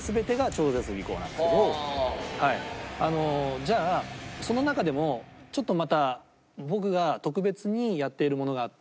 じゃあその中でもちょっとまた僕が特別にやっているものがあって。